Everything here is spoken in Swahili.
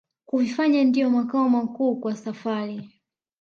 Kuvifanya ndiyo makao makuu kwa safari